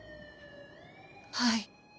はい。